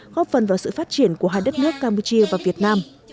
góp phần vào sự phát triển của hai đất nước campuchia và việt nam